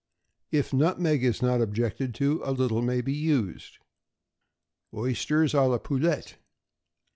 If nutmeg is not objected to, a little may be used. =Oysters à la Poulette.